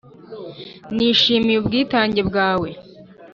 nishimiye ubwitange bwawe